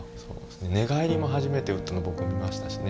寝返りも初めて打ったの僕見ましたしね。